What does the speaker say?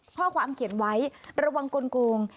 ข้อความเขียนไว้ระวังกลง